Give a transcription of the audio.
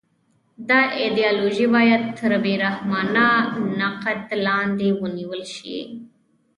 دا ایدیالوژي باید تر بې رحمانه نقد لاندې ونیول شي